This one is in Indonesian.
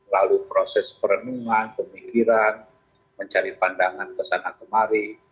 lalu proses perenungan pemikiran mencari pandangan kesana kemari